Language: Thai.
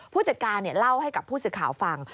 ผู้จัดการเล่าให้กับผู้สื่อข่าวฟัง